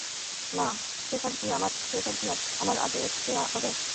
নাঃ, সে সব কি আর আমার আদেষ্টে হবে?